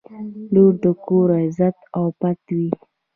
• لور د کور عزت او پت وي.